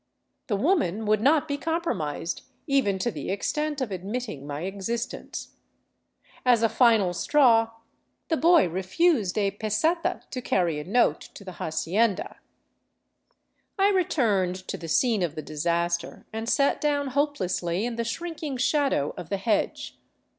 The woman would not be compromised, even to the extent of admitting my existence. As a final straw the boy re fused a " peseta " to carry a note to the hacienda. I returned to the scene of the disaster and sat down hopelessly in the shrinking shadow of the hedge.